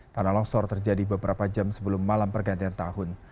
tanah longsor terjadi beberapa jam sebelum malam pergantian tahun